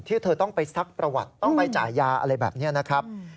เธอต้องไปซักประวัติต้องไปจ่ายยาอะไรแบบนี้นะครับ